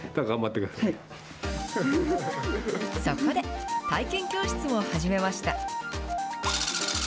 そこで、体験教室も始めました。